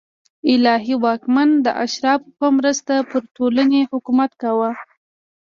الهي واکمن د اشرافو په مرسته پر ټولنې حکومت کاوه